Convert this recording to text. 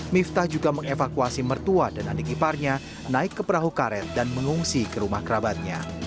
miftah juga mengevakuasi mertua dan adik iparnya naik ke perahu karet dan mengungsi ke rumah kerabatnya